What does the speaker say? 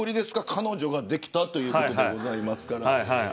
彼女ができたということですから。